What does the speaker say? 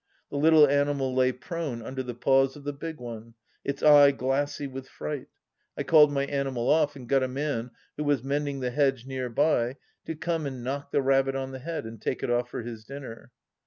The little animal lay prone under the paws of the big one, its eye glassy with fright ... I called my animal off and got a man, who was mending the hedge near by, to come and knock the rabbit on the head and take it off for his dinner.